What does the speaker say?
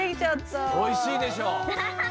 おいしいでしょ。